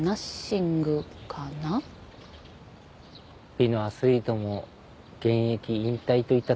美のアスリートも現役引退といったところかな。